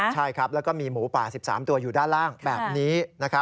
ใช่ครับแล้วก็มีหมูป่า๑๓ตัวอยู่ด้านล่างแบบนี้